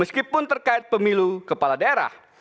meskipun terkait pemilu kepala daerah